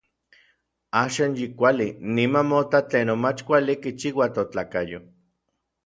Axan yi kuali, niman mota tlenon mach kuali kichiua totlakayo.